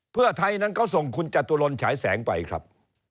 เพื่อไทยนั้นก็ส่งคุณจตุรนฉายแสงไปครับ